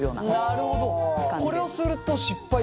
なるほどね。